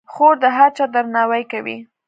خور د هر چا درناوی کوي.